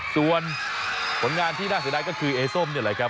ส่วนผลงานที่น่าเสียดายก็คือเอส้มนี่แหละครับ